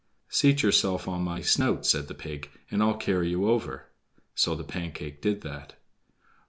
"Seat yourself on my snout," said the pig, "and I'll carry you over." So the Pancake did that.